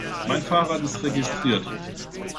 Mein Fahrrad ist registriert.